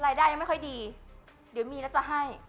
ยังไม่ค่อยดีเดี๋ยวมีแล้วจะให้